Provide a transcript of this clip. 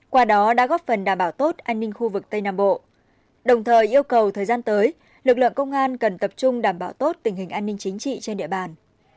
qua đó đã góp phần đảm bảo tốt an ninh khu vực tây nam bộ đồng thời yêu cầu thời gian tới lực lượng công an cần tập trung đảm bảo tốt tình hình an ninh chính trị trên địa bàn